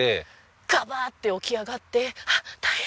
ガバッて起き上がってあっ大変！